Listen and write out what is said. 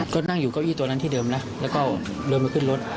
ก็นั่งอยู่เก้าอี้ตัวนั้นที่เดิมนะแล้วก็เดินมาขึ้นรถ